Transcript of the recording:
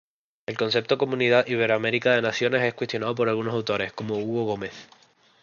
El concepto Comunidad Iberoamericana de Naciones es cuestionado por algunos autores, como Hugo Gómez.